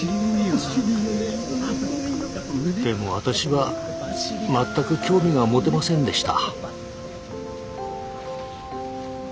でも私は全く興味が持てませんでした。